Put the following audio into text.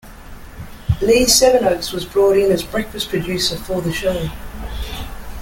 Lee Sevenoaks was brought in as Breakfast Producer for the show.